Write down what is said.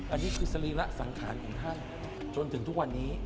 อันนี้คือสรีระสังขารของท่านจนถึงทุกวันนี้